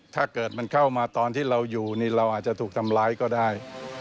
ถ้าเกิดมันเข้ามาตอนที่เราอยู่นี่เราอาจจะถูกทำร้ายก็ได้